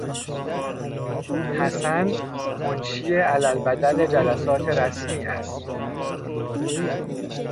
حسن منشی علیالبدل جلسات رسمی است.